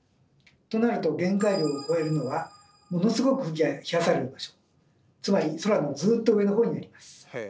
となると限界量を超えるのはものすごく空気が冷やされる場所つまり空のずっと上のほうになります。